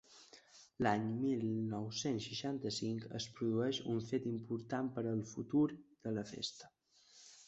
L'any mil nou-cents seixanta-cinc es produeix un fet important per al futur de la festa.